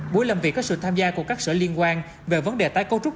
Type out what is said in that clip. buổi làm việc có sự tham gia của các sở liên quan về vấn đề tái cấu trúc